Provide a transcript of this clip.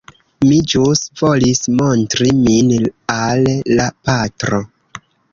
Mi ĵus volis montri min al la patro.